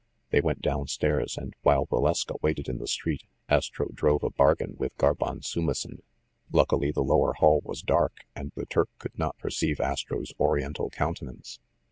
They went down stairs, and, while Valeska waited in the street, Astro drove a bargain with Carbon Soumissin. Luckily the lower hall was dark, and the Turk could not perceive Astro's oriental countenance.